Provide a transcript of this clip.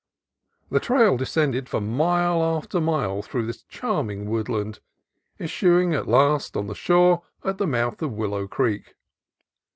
The trail descended for mile after mile through this charming woodland, issuing at last on the shore at the mouth of Willow Creek.